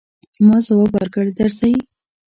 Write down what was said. ما ځواب ورکړ، درځئ.